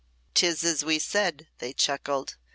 "'Tis as we said," they chuckled.